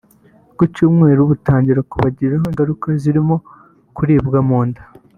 ku cyumweru butangira kubagiraho ingaruka zirimo kuribwa mu nda